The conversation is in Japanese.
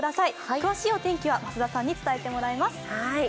詳しいお天気は増田さんに伝えてもらいます。